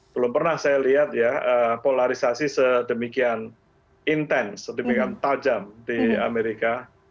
belum pernah saya lihat ya polarisasi sedemikian intens sedemikian tajam di amerika